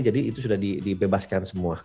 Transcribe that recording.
jadi itu sudah dibebaskan semua